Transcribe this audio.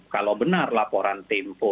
kalau benar laporan tempo